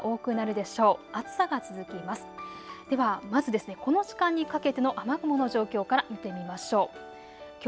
ではまず、この時間にかけての雨雲の状況から見てみましょう。